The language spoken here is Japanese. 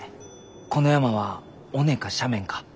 この山は尾根か斜面か。